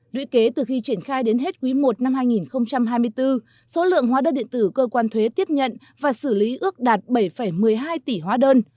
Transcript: đuy kế từ khi triển khai đến hết quý i năm hai nghìn hai mươi bốn số lượng hóa đơn điện tử cơ quan thuế tiếp nhận và xử lý ước đạt bảy một mươi hai tỷ hóa đơn